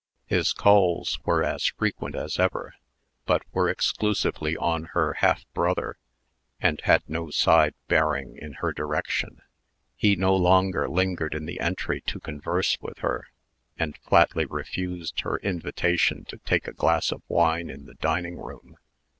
His calls were as frequent as ever, but were exclusively on her half brother, and had no side bearing in her direction. He no longer lingered in the entry to converse with her; and flatly refused her invitation to take a glass of wine in the dining room.